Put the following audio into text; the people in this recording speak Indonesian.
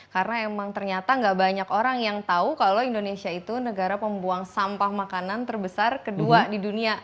karena emang ternyata nggak banyak orang yang tahu kalau indonesia itu negara pembuang sampah makanan terbesar kedua di dunia